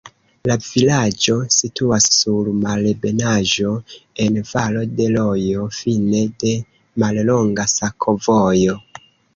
La vilaĝo situas sur malebenaĵo, en valo de rojo, fine de mallonga sakovojo.